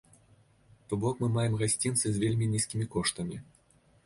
То бок мы маем гасцініцы з вельмі нізкімі коштамі!